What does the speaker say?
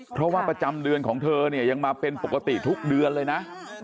เพราะว่าประจำเดือนของเธอเนี่ยยังมาเป็นปกติทุกเดือนเลยนะ